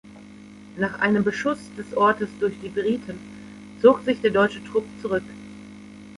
Nach einem Beschuss des Ortes durch die Briten zog sich der deutsche Trupp zurück.